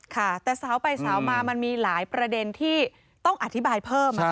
ค่ะแต่สาวไปสาวมามันมีหลายประเด็นที่ต้องอธิบายเพิ่ม